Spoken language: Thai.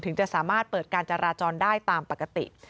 จะสามารถเปิดการจราจรได้ตามปกติ